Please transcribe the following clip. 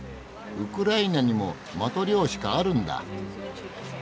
ウクライナにもマトリョーシカあるんだ。